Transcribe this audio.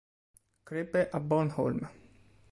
Crebbe a Bornholm.